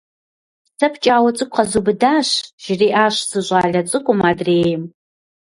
Сэ пкӏауэ цӏыкӏу къзубыдащ! – жриӏащ зы щӏалэ цӏыкӏум адрейм.